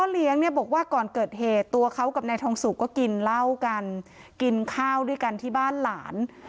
เล่ากันกินข้าวด้วยกันที่บ้านหลาน